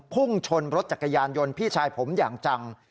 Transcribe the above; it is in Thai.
พุ่งชนรถจักรยานยนต์พี่ชายผมอย่างจัง